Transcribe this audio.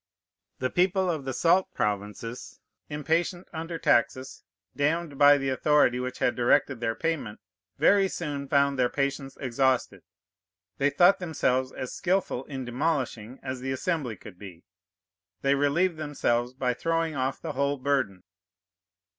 The people of the salt provinces, impatient under taxes damned by the authority which had directed their payment, very soon found their patience exhausted. They thought themselves as skilful in demolishing as the Assembly could be. They relieved themselves by throwing off the whole burden.